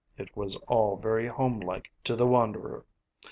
It was all very home like to the wanderer.